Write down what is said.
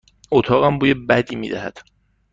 اتاقم بوی بدی می دهد.